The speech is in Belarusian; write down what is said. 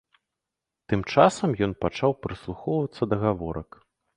Тым часам ён пачаў прыслухоўвацца да гаворак.